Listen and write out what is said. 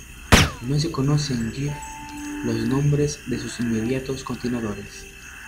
No se conocen gf los nombres de sus inmediatos continuadores.